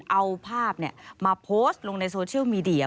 เอาภาพมาโพสต์ลงในโซเชียลมีเดีย